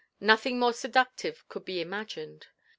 Nothing more seductive could be imagined.